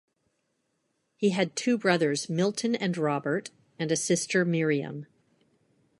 He had two brothers, Milton and Robert, and a sister, Miriam.